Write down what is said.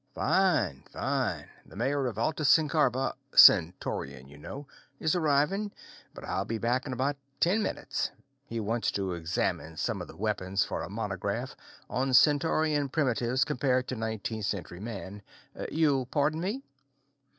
"Fine, fine. The mayor of Altasecarba Centaurian, you know is arriving, but I'll be back in about ten minutes. He wants to examine some of the weapons for a monograph on Centaurian primitives compared to nineteenth century man. You'll pardon me?"